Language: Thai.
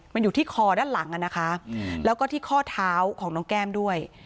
มันอยู่ที่คอด้านหลังนะคะแล้วก็ที่ข้อเท้าของน้องแก้มด้วย